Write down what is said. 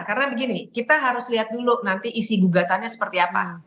karena begini kita harus lihat dulu nanti isi gugatannya seperti apa